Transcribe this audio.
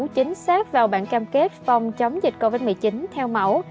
chính xác vào bản cam kết phòng chống dịch covid một mươi chín theo mẫu